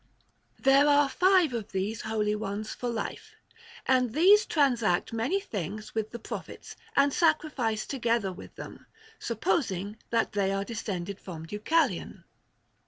There are five of these holy ones for life, and these transact many things with the prophets, and sacrifice together with them, supposing that they are descended from Deucalion.